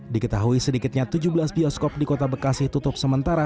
diketahui sedikitnya tujuh belas bioskop di kota bekasi tutup sementara